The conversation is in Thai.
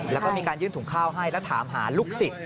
แล้วก็มีการยื่นถุงข้าวให้แล้วถามหาลูกศิษย์